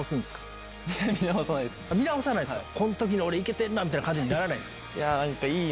見直さないんすか？